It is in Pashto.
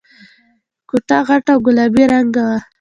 کوټه غټه او گلابي رنګه وه.